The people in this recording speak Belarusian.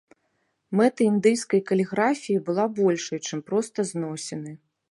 Мэта індыйскай каліграфіі была большай, чым проста зносіны.